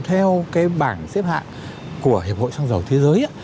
theo cái bảng xếp hạng của hiệp hội xăng dầu thế giới